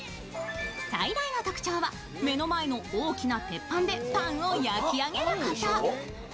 最大の特徴は目の前の大きな鉄板でパンを焼き上げること。